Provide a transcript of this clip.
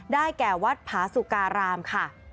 ได้แก่วัดพาซุการามค่ะ